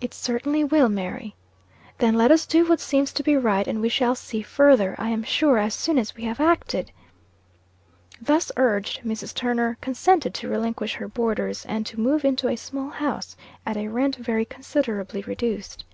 "It certainly will, Mary." "Then let us do what seems to be right, and we shall see further, I am sure, as soon as we have acted." Thus urged, Mrs. Turner consented to relinquish her boarders, and to move into a small house, at a rent very considerably reduced.